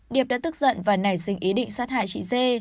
điệp đã tức giận và nảy sinh ý định sát hại chị dê